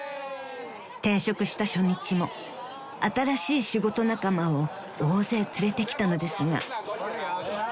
［転職した初日も新しい仕事仲間を大勢連れてきたのですが］